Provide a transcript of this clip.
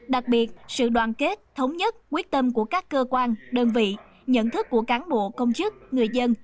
đặc biệt sự đoàn kết thống nhất quyết tâm của các cơ quan đơn vị nhận thức của cán bộ công chức người dân